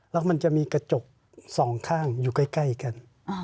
แล้วมันจะมีกระจกสองข้างอยู่ใกล้กัน